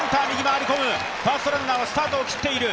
ファーストランナーはスタートを切っている。